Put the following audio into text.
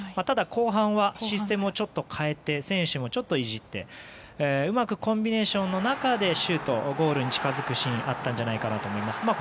ただ後半はシステムをちょっと変えて選手もちょっといじってうまくコンビネーションの中でシュート、ゴールに近づくシーンがあったんじゃないかと思います。